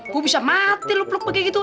gue bisa mati lo peluk begitu